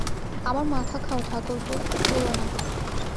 আমার মাথা খাও ঠাকুরপো, পোড়ো না।